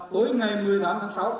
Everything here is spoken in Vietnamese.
tối ngày một mươi tám tháng sáu